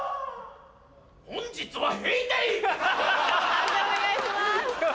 判定お願いします。